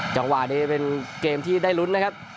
จังหวะนี้เป็นเกมที่ได้ลุ้นนะครับ